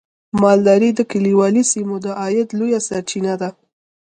مالداري د کليوالو سیمو د عاید لویه سرچینه ده.